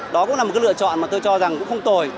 đó cũng là một cái lựa chọn mà tôi cho rằng cũng không tồi